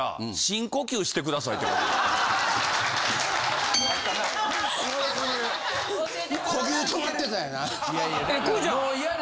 呼吸止まってたんやな。